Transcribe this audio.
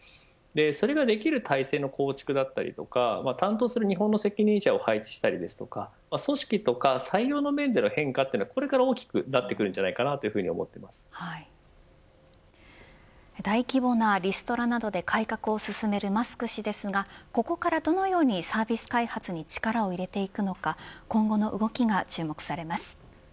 それができる体制の構築だったり担当する日本の責任者を配置するですとか組織や採用の面での変化はこれから大きくなってくるんじゃないかと大規模なリストラなどで改革を進めるマスク氏ですがここからどのようにサービス開発に力を入れていくのか今後の動きが注目されます。